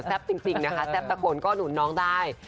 จริงนะคะแซ่บตะโกนก็หนุนน้องได้